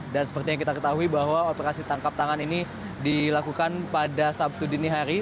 dan seperti yang kita ketahui bahwa operasi tangkap tangan ini dilakukan pada sabtu dini hari